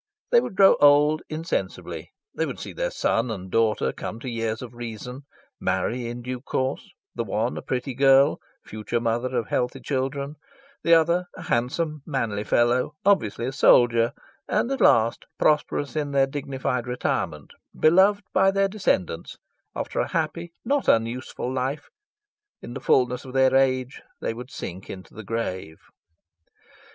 They would grow old insensibly; they would see their son and daughter come to years of reason, marry in due course the one a pretty girl, future mother of healthy children; the other a handsome, manly fellow, obviously a soldier; and at last, prosperous in their dignified retirement, beloved by their descendants, after a happy, not unuseful life, in the fullness of their age they would sink into the grave.